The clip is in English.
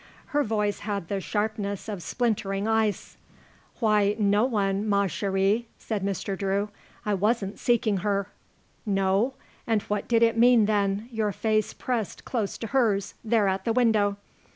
Her voice had the sharpness of splintering ice. "Why, no one, ma chére," said Mr. Drew. "I wasn't seeking her." "No? And what did it mean, then, your face pressed close to hers, there at the window?"